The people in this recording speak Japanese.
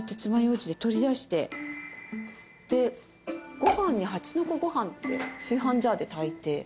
でご飯に蜂の子ご飯って炊飯ジャーで炊いて。